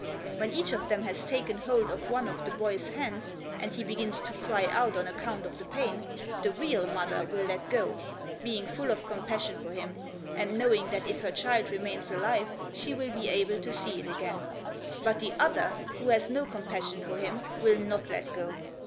When each of them has taken hold of one of the boy's hands, and he begins to cry out on account of the pain, the real mother will let go, being full of compassion for him, and knowing that if her child remains alive she will be able to see it again; but the other, who has no compassion for him, will not let go.